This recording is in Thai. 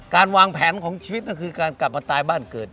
การวางแผนของชีวิตก็คือการกลับมาตายบ้านเกิด